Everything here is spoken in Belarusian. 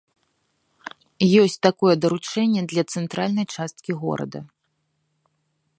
Ёсць такое даручэнне для цэнтральнай часткі горада.